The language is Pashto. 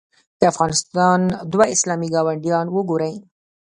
د افغانستان دوه اسلامي ګاونډیان وګورئ.